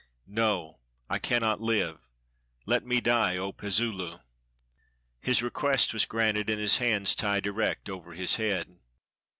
No, I cannot live! Let me die, O Pezoolu!" His request was granted, and his hands tied erect over his head.